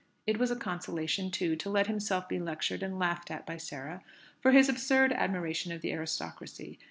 It was a consolation, too, to let himself be lectured and laughed at by Sarah for his absurd admiration of the aristocracy.